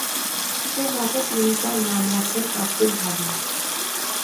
সে মতে তিনি তার নাম রাখেন আব্দুল হারিস।